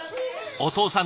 お父さん！